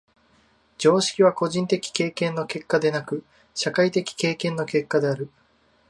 常識は個人的経験の結果でなく、社会的経験の結果である。